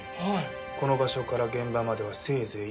この場所から現場まではせいぜい１分。